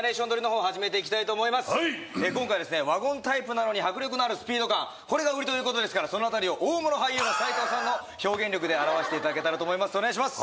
今回ですねワゴンタイプなのに迫力のあるスピード感これが売りということですからそのあたりを大物俳優の斉藤さんの表現力で表していただけたらと思いますお願いします